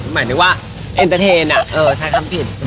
หมายถึงว่าเอ็นเตอร์เทนใช้คำผิด